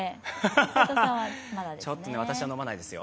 ちょっと私は飲まないですよ。